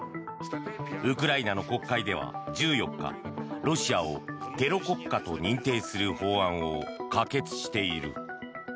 ウクライナの国会では１４日ロシアをテロ国家と認定する法案を可決している。